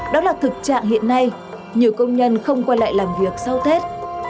đó là thực trạng hiện nay nhiều công nhân không quay lại làm việc sau tết